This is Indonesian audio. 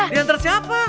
dia nanti siapa